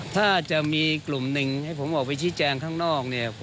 ถ้าจะมีกลุ่มหนึ่งให้ผมออกไปชี้แจงข้างนอกเนี่ย